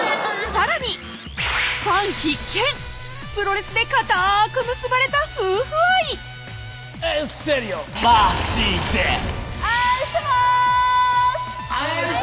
さらにファン必見プロレスでかたく結ばれた夫婦愛愛してます！